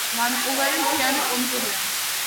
ვანკუვერი მთიანი კუნძულია.